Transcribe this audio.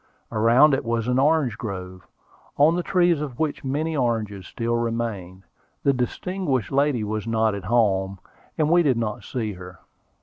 Around it was an orange grove, on the trees of which many oranges still remained. The distinguished lady was not at home, and we did not see her.